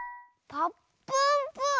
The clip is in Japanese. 「ぱっぷんぷぅ」？